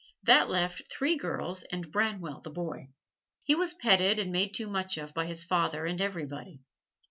That left three girls and Branwell the boy. He was petted and made too much of by his father and everybody.